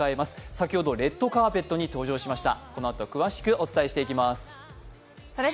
先ほどレッドカーペットに登場しました。